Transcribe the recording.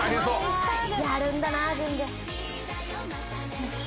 よし。